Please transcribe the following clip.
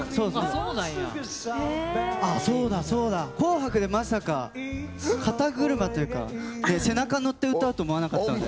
「紅白」でまさか肩車というか背中乗って歌うと思わなかったので。